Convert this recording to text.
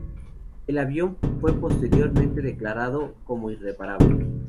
El avión fue posteriormente declarado como irreparable.